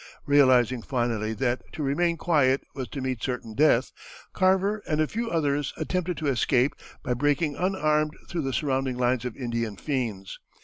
Realizing finally that to remain quiet was to meet certain death, Carver and a few others attempted to escape by breaking unarmed through the surrounding lines of Indian fiends.